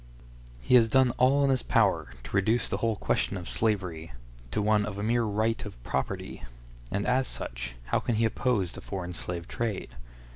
He has done all in his power to reduce the whole question of slavery to one of a mere right of property; and as such, how can he oppose the foreign slave trade?